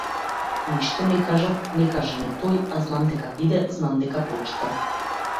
Ништо не кажав, не кажа ни тој, а знам дека виде, знам дека прочита.